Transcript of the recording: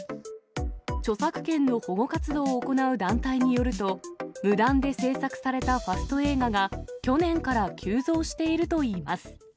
著作権の保護活動を行う団体によると、無断で製作されたファスト映画が、去年から急増しているといいます。